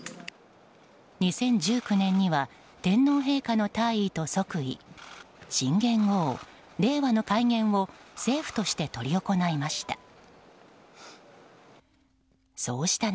２０１９年には天皇陛下の退位と即位新元号、令和の改元を政府として執り行いました。